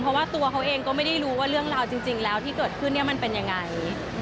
เพราะว่าตัวเขาเองก็ไม่ได้รู้ว่าเรื่องราวจริงแล้วที่เกิดขึ้นมันเป็นยังไง